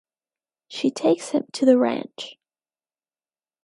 She takes him to the ranch.